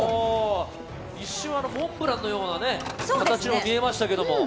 一瞬、モンブランのような形に見えましたけれども。